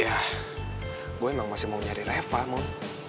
ya gue emang masih mau nyari reva mon